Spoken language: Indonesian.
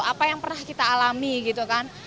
apa yang pernah kita alami gitu kan